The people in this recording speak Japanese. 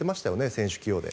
選手起用で。